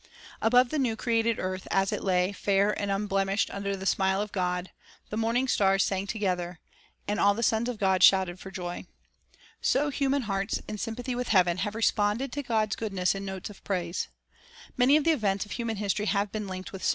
3 Above the new created earth, as it lay, fair and unblemished, under the smile of God, "the morning stars sang together, and all the sons of God shouted for joy." 4 So human hearts, in sympathy with heaven, have responded to God's goodness in notes of praise. Many of the events of human history have been linked with song.